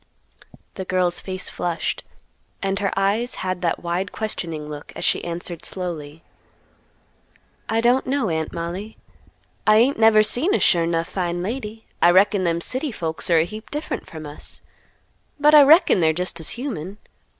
The girl's face flushed, and her eyes had that wide questioning look, as she answered slowly, "I don't know, Aunt Mollie; I ain't never seen a sure 'nough fine lady; I reckon them city folks are a heap different from us, but I reckon they're just as human.